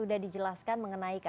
terima kasih pak